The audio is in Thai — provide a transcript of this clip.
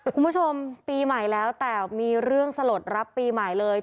คุณผู้ชมปีใหม่แล้วแต่มีเรื่องสลดรับปีใหม่เลย